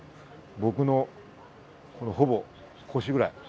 僕のほぼ腰ぐらい。